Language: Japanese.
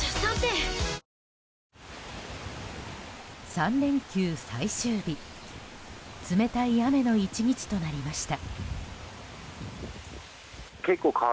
３連休最終日冷たい雨の１日となりました。